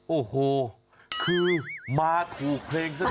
โอ้โหคือมาถูกเพลงซะ